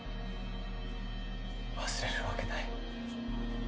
忘れるわけない。